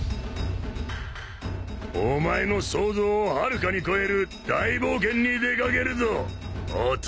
お前の想像をはるかに超える大冒険に出掛けるぞ弟よ。